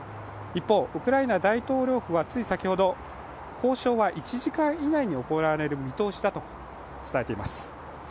一方、ウクライナ大統領府はつい先ほど、交渉は１時間以内に行われる見通しだと伝えています。